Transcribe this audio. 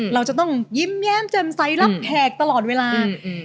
เราจะต้องยิ้มแย้มแจ่มใสรับแขกตลอดเวลา